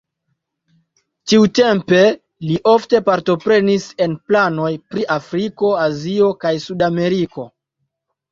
Tiutempe li ofte partoprenis en planoj pri Afriko, Azio kaj Sud-Ameriko.